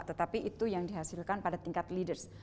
tetapi itu yang dihasilkan pada tingkat leaders